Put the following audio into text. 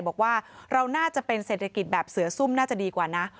บอกว่าเราน่าจะเป็นเศรษฐกิจแบบเสือซุ่มน่าจะดีกว่านะ